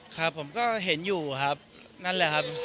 ครับผมก็เห็นอยู่ครับ